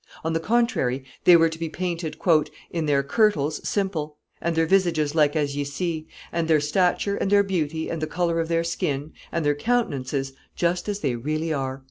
On the contrary, they were to be painted "in their kirtles simple, and their visages like as ye see, and their stature, and their beauty, and the color of their skin, and their countenances, just as they really are."